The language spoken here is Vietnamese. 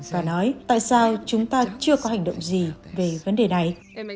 và nói tại sao chúng ta chưa có hành động gì về vấn đề này